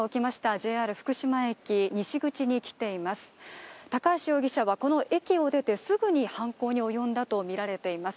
ＪＲ福島駅西口に来ています高橋容疑者はこの駅を出てすぐに犯行に及んだとみられています。